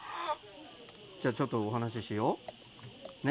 じゃあちょっとお話ししよう。ね？